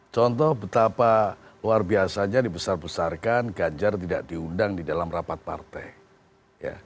contoh betapa luar biasanya dibesar besarkan ganjar tidak diundang di dalam rapat partai